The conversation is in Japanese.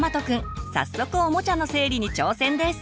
早速おもちゃの整理に挑戦です！